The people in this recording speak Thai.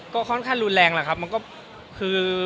ก็ค่อนข้างรุนแรงแหละครับมันก็คือ